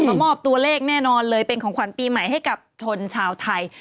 มามอบตัวเลขแน่นอนเลยเป็นของขวัญปีใหม่ให้กับชนชาวไทย